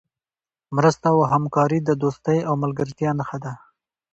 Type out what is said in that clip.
مرسته او همکاري د دوستۍ او ملګرتیا نښه ده.